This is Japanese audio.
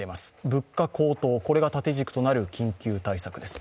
物価高騰、これが縦軸となる緊急対策です。